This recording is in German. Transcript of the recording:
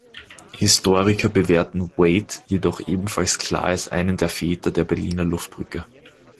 Historiker bewerten Waite jedoch ebenfalls klar als einen der „Väter der Berliner Luftbrücke“.